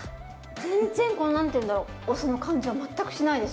全然この何ていうんだろうお酢の感じは全くしないですね。